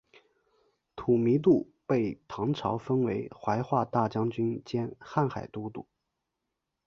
吐迷度被唐朝封为怀化大将军兼瀚海都督。